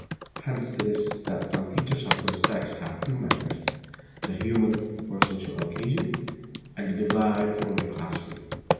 Hence it is that some teachers of her sex have two manners, the human for social occasions, and the divine for the class room.